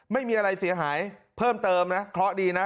ไม่มีอะไรเสียหายเพิ่มเติมนะเคราะห์ดีนะ